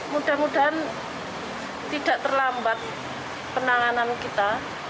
mudah mudahan tidak terlambat penanganan kita